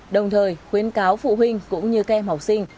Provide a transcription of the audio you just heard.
đồng thời khuyến cáo phụ huynh cũng như kem học sinh